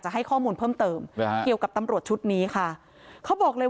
ให้ข้อมูลเพิ่มเติมหรือฮะเกี่ยวกับตำรวจชุดนี้ค่ะเขาบอกเลย